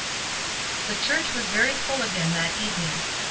The church was very full again that evening.